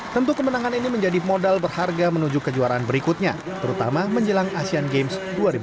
tentu kemenangan ini menjadi modal berharga menuju kejuaraan berikutnya terutama menjelang asean games dua ribu delapan belas